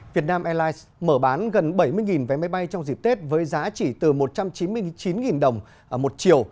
vietnam airlines mở bán gần bảy mươi vé máy bay trong dịp tết với giá chỉ từ một trăm chín mươi chín đồng một triệu